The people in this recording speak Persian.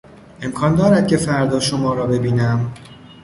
امکان دارد که فردا شما را ببینم؟